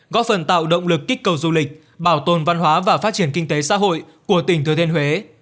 góp phần tạo động lực kích cầu du lịch bảo tồn văn hóa và phát triển kinh tế xã hội của tỉnh thừa thiên huế